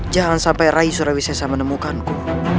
jangan sampai rai surawisesa menemukanku